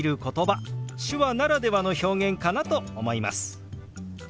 手話ならではの表現かなと思います。